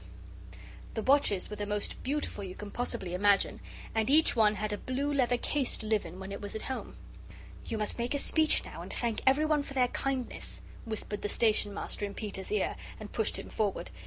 The watches were the most beautiful you can possibly imagine, and each one had a blue leather case to live in when it was at home. "You must make a speech now and thank everyone for their kindness," whispered the Station Master in Peter's ear and pushed him forward.